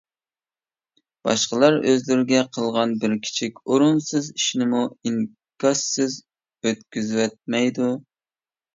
باشقىلار ئۆزلىرىگە قىلغان بىر كىچىك ئورۇنسىز ئىشنىمۇ ئىنكاسسىز ئۆتكۈزۈۋەتمەيدۇ.